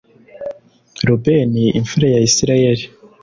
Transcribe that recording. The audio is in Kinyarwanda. rubeni imfura ya isirayeli